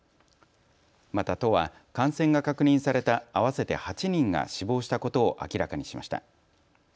また都は感染が確認された合わせて８人が死亡したことを明らかにしました。